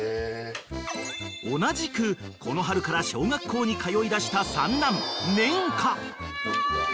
［同じくこの春から小学校に通いだした三男然花］